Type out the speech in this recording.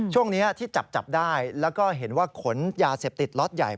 ช่วงนี้ที่จับจับได้แล้วก็เห็นว่าขนยาเสพติดล็อตใหญ่